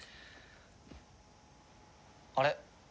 あれ？